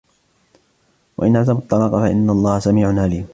وَإِنْ عَزَمُوا الطَّلَاقَ فَإِنَّ اللَّهَ سَمِيعٌ عَلِيمٌ